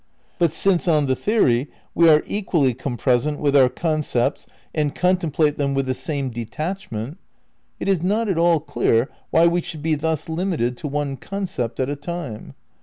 But since, on the theory, we are equally compresent with our concepts and contemplate 230 THE NEW IDEALISM vi them with the same detachment, it is not at all clear why we should be thus limited to one concept at a time.